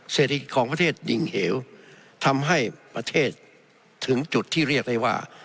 เศรษฐกิจของประเทศยิ่งเหวทำให้ประเทศถึงจุดที่เรียกได้ว่า